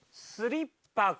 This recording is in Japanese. スリッパ